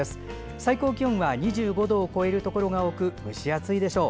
最高気温は２５度を超えるところが多く蒸し暑いでしょう。